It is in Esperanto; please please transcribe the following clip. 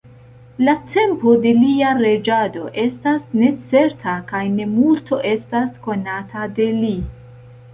La tempo de lia reĝado estas necerta kaj ne multo estas konata de li.